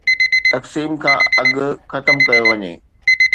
تقسيم کان اڳ ختم ڪيو وڃي.